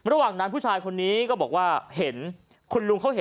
ระหว่างนั้นผู้ชายคนนี้เห็นว่า